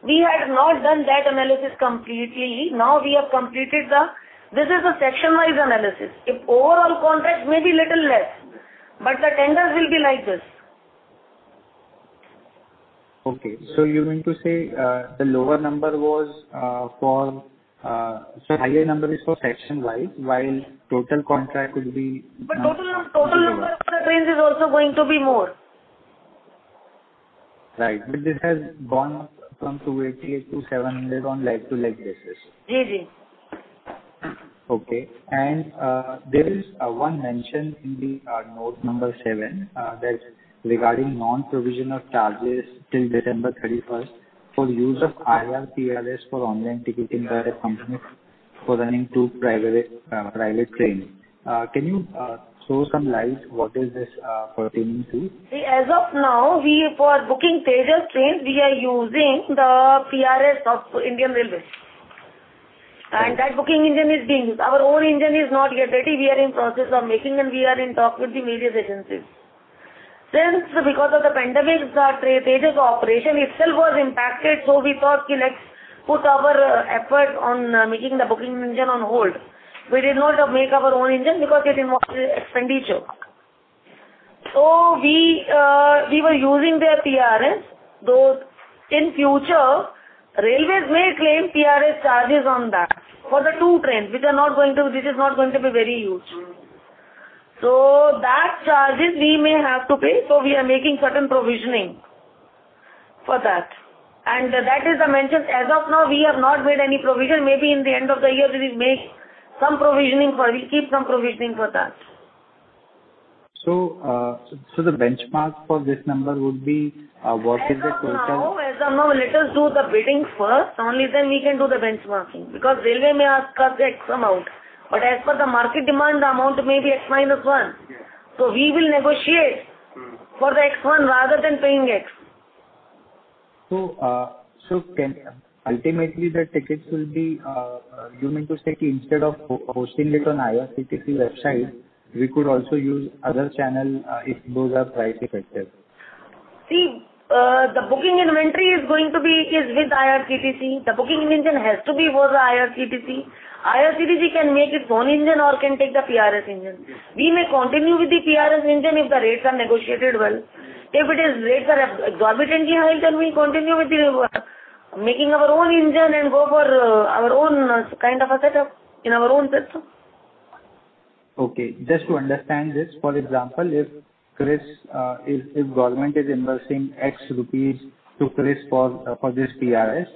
We had not done that analysis completely. Now we have completed the analysis. This is a section-wise analysis. If overall contract may be little less, but the tenders will be like this. Okay. You mean to say higher number is for section-wise, while total contract would be. Total number of trains is also going to be more. Right. This has gone from 288-700 on like-to-like basis. Yes, yes. Okay. There is one mention in the note number seven that regarding non-provision of charges till December 31 for use of IRPRS for online ticketing by the company for running two private trains. Can you throw some light what is this pertaining to? See, as of now, we for booking Tejas trains, we are using the PRS of Indian Railways. That booking engine is being... our own engine is not yet ready. We are in process of making, and we are in talk with the various agencies. Since because of the pandemic, the Tejas operation itself was impacted, so we thought, okay, let's put our effort on making the booking engine on hold. We did not make our own engine because it involves expenditure. We were using their PRS, though in future Railways may claim PRS charges on that for the two trains, which is not going to be very huge. Mm-hmm. That charges we may have to pay, so we are making certain provisioning for that. That is the mention. As of now, we have not made any provision. Maybe in the end of the year we will make some provisioning for that. We keep some provisioning for that. The benchmark for this number would be, what is the total- As of now, let us do the bidding first. Only then we can do the benchmarking, because railway may ask us X amount, but as per the market demand, the amount may be X minus one. Yes. We will negotiate. Mm-hmm. for the X one rather than paying X. Ultimately the tickets will be, you mean to say instead of hosting it on IRCTC website, we could also use other channel, if those are cost effective? See, the booking inventory is with IRCTC. The booking engine has to be over the IRCTC. IRCTC can make its own engine or can take the PRS engine. Yes. We may continue with the PRS engine if the rates are negotiated well. If the rates are exorbitantly high, then we'll continue with making our own engine and go for our own some kind of a setup in our own system. Okay. Just to understand this, for example, if government is investing INR X to CRIS for this PRS,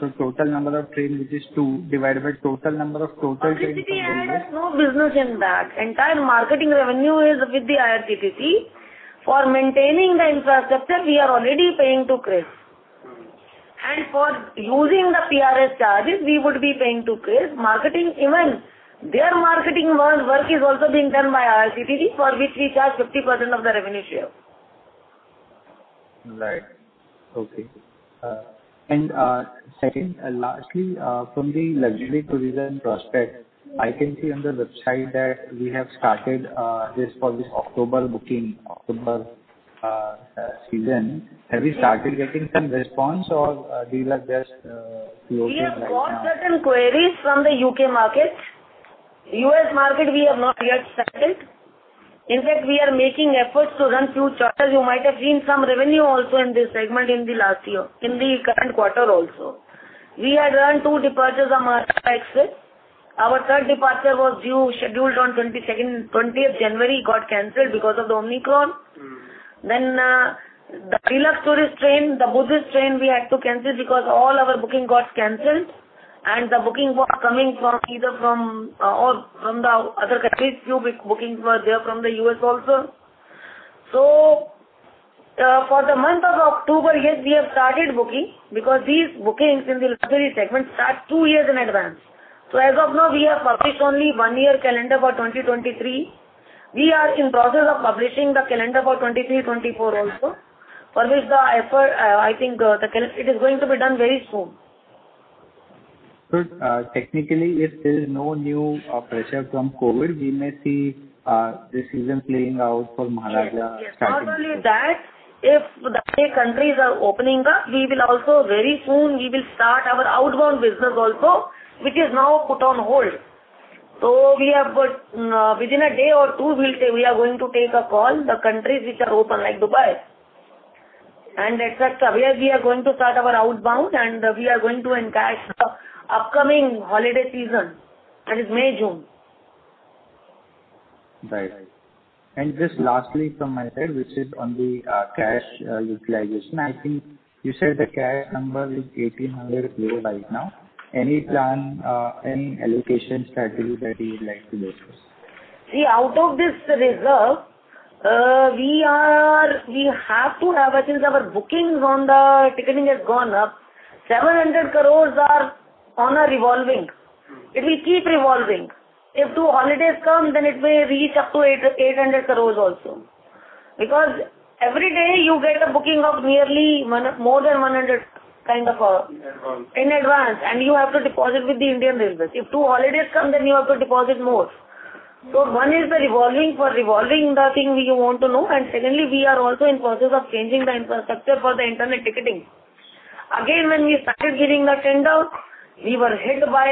so total number of trains, which is two, divided by total number of trains. IRCTC has no business in that. Entire marketing revenue is with the IRCTC. For maintaining the infrastructure, we are already paying to CRIS. Mm-hmm. For using the PRS charges, we would be paying to CRIS. Marketing, even their marketing workload is also being done by IRCTC, for which we charge 50% of the revenue share. Right. Okay. Second, lastly, from the luxury tourism prospect, I can see on the website that we have started this for this October booking, October season. Have you started getting some response or do you have just closing right now? We have got certain queries from the UK market. U.S. market, we have not yet started. In fact, we are making efforts to run few charters. You might have seen some revenue also in this segment in the last year, in the current quarter also. We had run two departures on Maharajas' Express. Our third departure was due, scheduled on 20th January, got canceled because of the Omicron. Mm. The deluxe tourist train, the Buddhist train, we had to cancel because all our booking got canceled and the booking were coming from either from or from the other countries. Few big bookings were there from the U.S. also. For the month of October, yes, we have started booking because these bookings in the luxury segment start two years in advance. As of now, we have published only one year calendar for 2023. We are in process of publishing the calendar for 2023-2024 also, for which the effort, I think, it is going to be done very soon. Technically, if there's no new pressure from COVID, we may see this season playing out for Maharajas- Yes. Yes. -starting. Not only that, if the other countries are opening up, we will also very soon start our outbound business also, which is now put on hold. We have got, within a day or two, we are going to take a call. The countries which are open like Dubai and et cetera, where we are going to start our outbound and we are going to entice the upcoming holiday season, that is May, June. Right. Just lastly from my side, which is on the cash utilization. I think you said the cash number is 1,800 crore right now. Any plan, any allocation strategy that you'd like to discuss? See, out of this reserve, we have to have, since our bookings on the ticketing has gone up, 700 crores are on a revolving. Mm. It will keep revolving. If two holidays come, then it may reach up to 800 crore also. Because every day you get a booking of nearly 100, more than 100 kind of. In advance. In advance, and you have to deposit with the Indian Railways. If two holidays come, then you have to deposit more. One is the revolving. For revolving, the thing you want to know, and secondly we are also in process of changing the infrastructure for the internet ticketing. Again, when we started giving the tender, we were hit by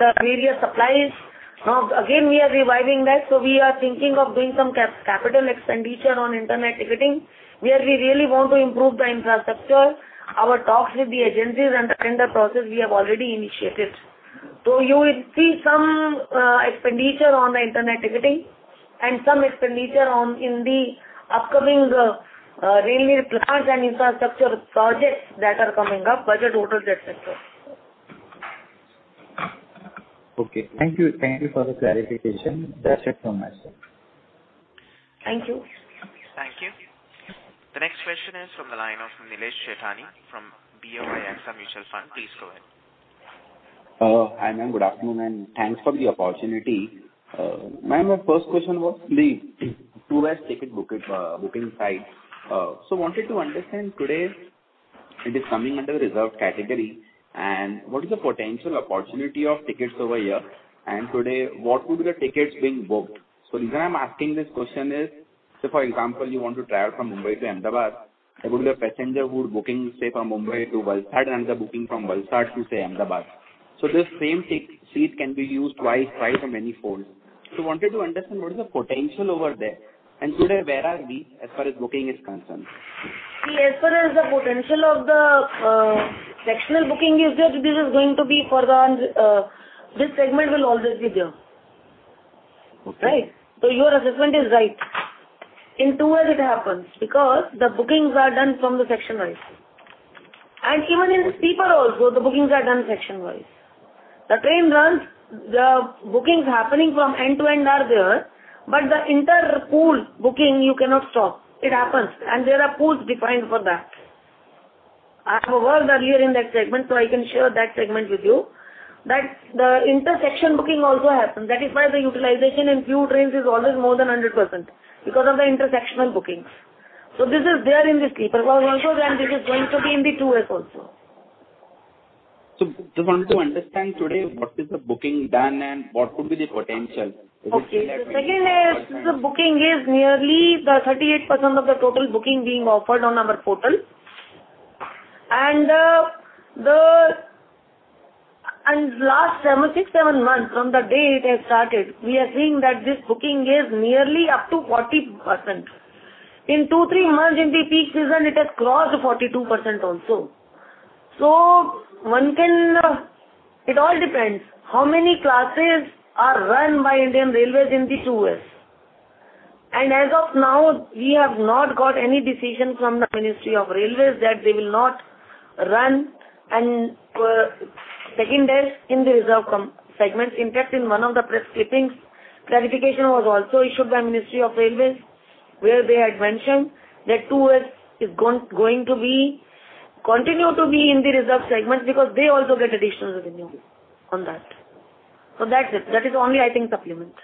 the various supplies. Now again, we are reviving that, so we are thinking of doing some capital expenditure on internet ticketing, where we really want to improve the infrastructure. Our talks with the agencies and the tender process we have already initiated. You will see some expenditure on the internet ticketing and some expenditure on, in the upcoming, railway plans and infrastructure projects that are coming up, budget hotels, et cetera. Okay. Thank you. Thank you for the clarification. That's it from my side. Thank you. Thank you. The next question is from the line of Nilesh Jethani from BOI AXA Mutual Fund. Please go ahead. Hi, ma'am. Good afternoon, and thanks for the opportunity. Ma'am, my first question was the 2S ticket booking side. Wanted to understand today it is coming under the reserved category and what is the potential opportunity of tickets over here, and today, what would be the tickets being booked? The reason I'm asking this question is, say for example, you want to travel from Mumbai to Ahmedabad, there would be a passenger who would book, say, from Mumbai to Valsad, another booking from Valsad to, say, Ahmedabad. The same seat can be used twice, thrice or manyfold. Wanted to understand what is the potential over there, and today where are we as far as booking is concerned? See, as far as the potential of the sectional booking is there, this is going to be for the this segment will always be there. Okay. Right? Your assessment is right. In 2S it happens because the bookings are done from the section-wise. Even in Sleeper also, the bookings are done section-wise. The train runs, the bookings happening from end to end are there, but the inter-pool booking you cannot stop. It happens, and there are pools defined for that. I have worked earlier in that segment, so I can share that segment with you, that the inter-section booking also happens. That is why the utilization in few trains is always more than 100% because of the inter-sectional bookings. This is there in the Sleeper class also, and this is going to be in the 2S also. Just wanted to understand today what is the booking done and what could be the potential. Is it- Booking is nearly 38% of the total booking being offered on our portal. Last six to seven months from the day it has started, we are seeing that this booking is nearly up to 40%. In two to three months in the peak season, it has crossed 42% also. One can. It all depends how many classes are run by Indian Railways in the 2S. As of now, we have not got any decision from the Ministry of Railways that they will not run a second class in the reserved segment. In fact, in one of the press clippings, clarification was also issued by Ministry of Railways, where they had mentioned that 2S is going to continue to be in the reserved segment because they also get additional revenue on that. That's it. That is the only, I think, supplement.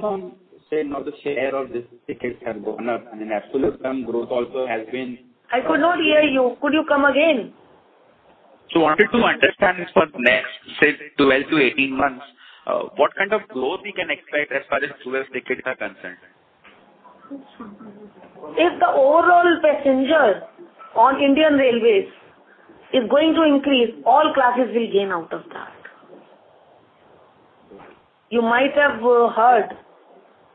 From, say, now the share of this tickets have gone up, I mean, absolute term growth also has been- I could not hear you. Could you come again? I wanted to understand for next, say, 12-18 months, what kind of growth we can expect as far as tourist tickets are concerned. If the overall passengers on Indian Railways is going to increase, all classes will gain out of that. You might have heard,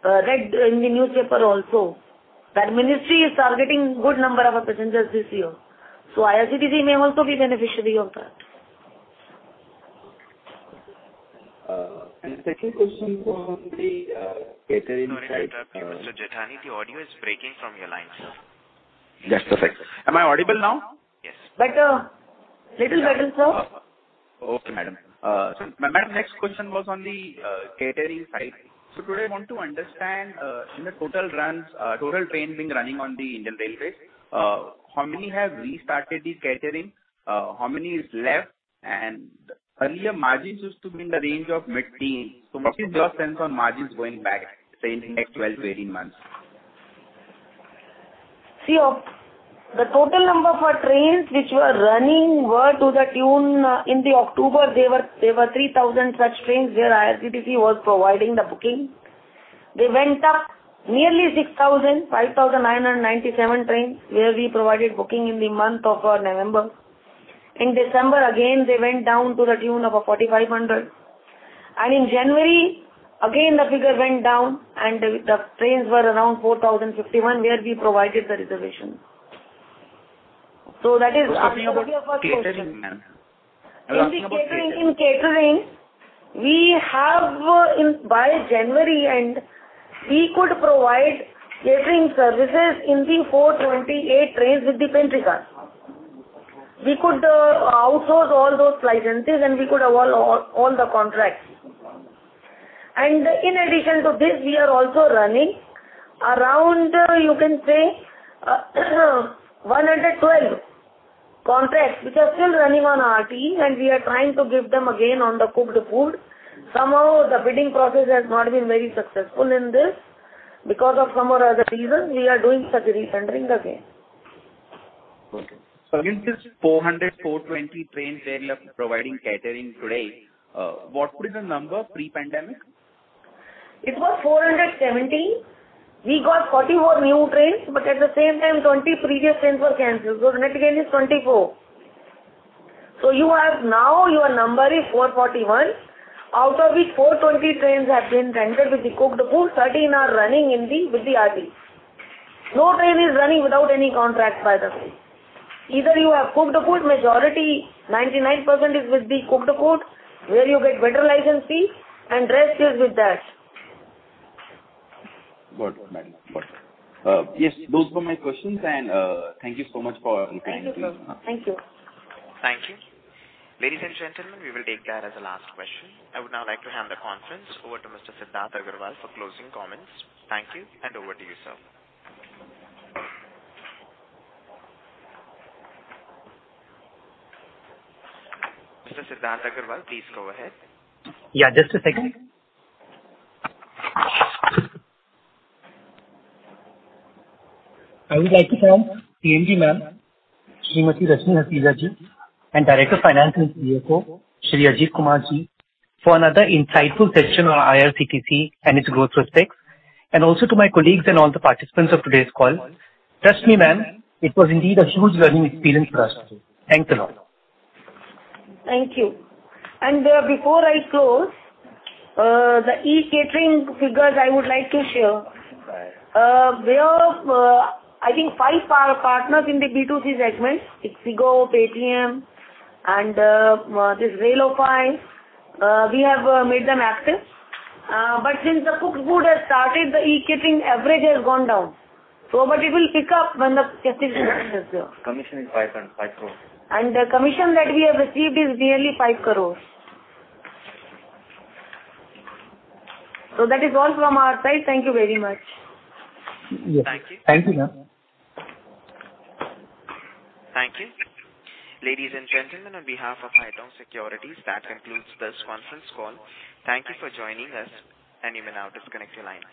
read in the newspaper also that ministry is targeting good number of passengers this year. IRCTC may also be beneficiary of that. Second question on the catering side, Sorry to interrupt you, Mr. Jethani. The audio is breaking from your line, sir. Just a second. Am I audible now? Yes. Better. Little better, sir. Okay, madam. Madam, next question was on the catering side. Today I want to understand in the total runs, total trains being running on the Indian Railways, how many have restarted the catering, how many is left? Earlier margins used to be in the range of mid-teens. What is your sense on margins going back, say, in the next 12 months -18 months? See, of the total number of our trains which were running were to the tune in October, there were 3,000 such trains where IRCTC was providing the booking. They went up nearly 6,000, 5,997 trains where we provided booking in the month of November. In December, again, they went down to the tune of 4,500. In January, again, the figure went down and the trains were around 4,051, where we provided the reservation. That is answer to your first question. One more thing about catering, ma'am. You were asking about catering. In the catering, by January end we could provide catering services in the 428 trains with the pantry car. We could outsource all those licenses and we could award all the contracts. In addition to this, we are also running around, you can say, 112 contracts which are still running on RTE, and we are trying to give them again on the cooked food. Somehow the bidding process has not been very successful in this. Because of some or other reasons, we are doing such re-tendering again. Against this 400-420 trains where you are providing catering today, what was the number pre-pandemic? It was 470. We got 44 new trains, but at the same time, 20 previous trains were canceled. Net gain is 24. You have now your number is 441. Out of which 420 trains have been tendered with the cooked food. 13 are running with the RTE. No train is running without any contract, by the way. Either you have cooked food, majority 99% is with the cooked food where you get better license fee and rest is with that. Got it, madam. Got it. Yes, those were my questions and thank you so much for your time. Thank you. Thank you. Thank you. Ladies and gentlemen, we will take that as the last question. I would now like to hand the conference over to Mr. Siddharth Agarwal for closing comments. Thank you, and over to you, sir. Mr. Siddharth Agarwal, please go ahead. Yeah, just a second. I would like to thank CMD, ma'am, Srimati Rajni Hasija-ji, and Director Finance and CFO, Shri Ajit Kumar-ji, for another insightful session on IRCTC and its growth prospects, and also to my colleagues and all the participants of today's call. Trust me, ma'am, it was indeed a huge learning experience for us too. Thanks a lot. Thank you. Before I close, the e-catering figures I would like to share. We have, I think, five partners in the B2C segment. It's Zomato, Paytm and this RailRestro. We have made them active. Since the cooked food has started, the e-catering average has gone down. It will pick up when the catering business is there. Commission is 505 crore. The commission that we have received is nearly 5 crore. That is all from our side. Thank you very much. Yes. Thank you, ma'am. Thank you. Ladies and gentlemen, on behalf of Haitong Securities, that concludes this conference call. Thank you for joining us and you may now disconnect your lines.